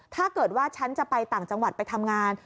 ถ้าเกิดว่าฉันจะไปต่างจังหวัดไปทำงาน